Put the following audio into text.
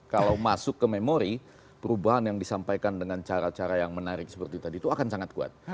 kalau masuk ke memori perubahan yang disampaikan dengan cara cara yang menarik seperti tadi itu akan sangat kuat